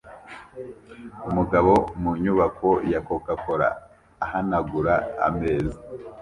umugabo mu nyubako ya coca cola ahanagura ameza